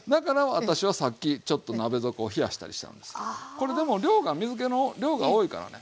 これでも量が水けの量が多いからね。